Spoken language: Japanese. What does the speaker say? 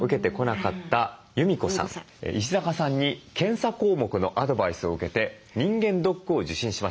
石坂さんに検査項目のアドバイスを受けて人間ドックを受診しました。